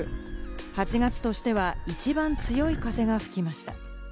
８月としては一番強い風が吹きました。